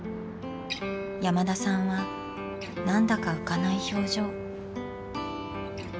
山田さんは何だか浮かない表情。